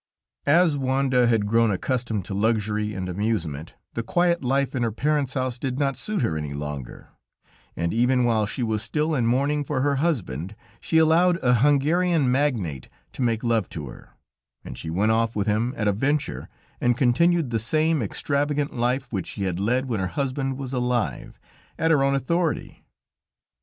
As Wanda had grown accustomed to luxury and amusement, the quiet life in her parents' house did not suit her any longer, and even while she was still in mourning for her husband, she allowed a Hungarian magnate to make love to her, and she went off with him at a venture, and continued the same extravagant life which she had led when her husband was alive, at her own authority.